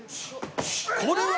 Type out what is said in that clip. これは。